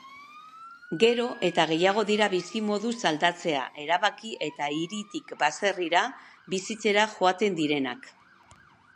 Gero eta gehiago dira bizimoduz aldatzea erabaki eta hiritik baserrira bizitzera joaten direnak.